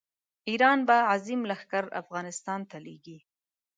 ایران به عظیم لښکر افغانستان ته لېږي.